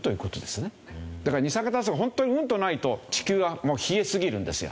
だから二酸化炭素がホントにうんとないと地球は冷えすぎるんですよ。